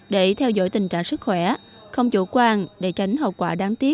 để theo dõi tình trạng sức khỏe không chủ quan để tránh hậu quả đáng tiếc